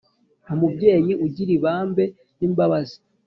umubyeyi ugira ibambe n’imbabazi